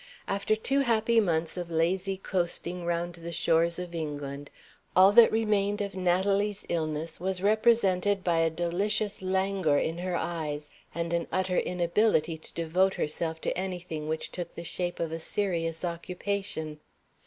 After two happy months of lazy coasting round the shores of England, all that remained of Natalie's illness was represented by a delicious languor in her eyes, and an utter inability to devote herself to anything which took the shape of a serious occupation.